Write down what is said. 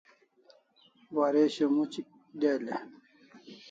Waresho muchik del e?